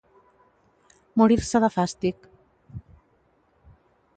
Morir-se de fàstic.